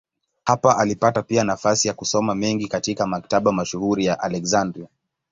Hapa alipata pia nafasi ya kusoma mengi katika maktaba mashuhuri ya Aleksandria.